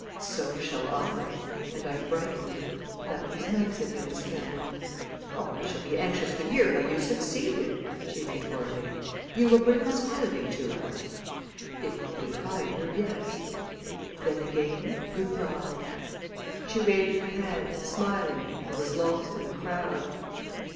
"So shall I," and I brightened. "That was nice of you, Miss Kemball." "Oh, I shall be anxious to hear how you succeeded," she retorted. "You will bring Miss Holladay to us?" "If we find her, yes." "Then, again, good by." She waved her hand, smiling, and was lost in the crowd.